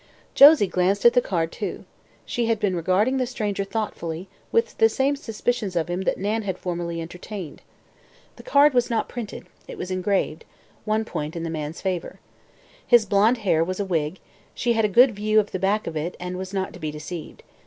Josie glanced at the card, too. She had been regarding the stranger thoughtfully, with the same suspicions of him that Nan had formerly entertained. The card was not printed; it was engraved: one point in the man's favor. His blond hair was a wig; she had a good view of the back of it and was not to be deceived.